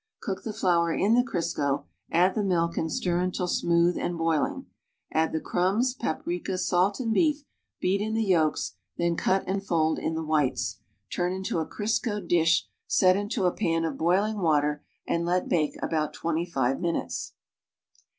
Cook the flour in the Crisco, add the milk and stir until smooth and boiling; add the crumbs, paprika, salt and beef, beat in the yolks, then "cut and fold" in the whites. Turn into a Criscoed dish, set into a pau of boiling water and let bake about twenty five minutes.